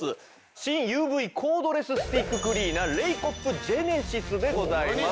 新ＵＶコードレススティッククリーナーレイコップジェネシスでございます。